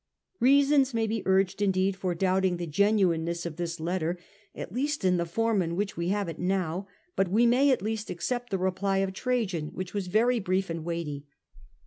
Reasons may be urged indeed for doubting the genuineness of this letter, at least in the form in which Trajan's ha VC it now ; but we may at least accept answer to the reply of Trajan, which was very brief and determined vveiglity.